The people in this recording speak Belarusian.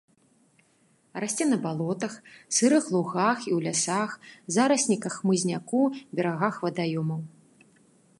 Расце на балотах, сырых лугах і ў лясах, зарасніках хмызняку, берагах вадаёмаў.